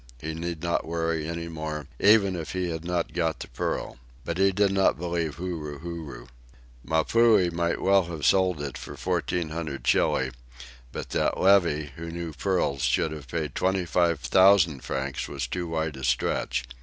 He need not worry any more, even if he had not got the pearl. But he did not believe Huru Huru. Mapuhi might well have sold it for fourteen hundred Chili, but that Levy, who knew pearls, should have paid twenty five thousand francs was too wide a stretch.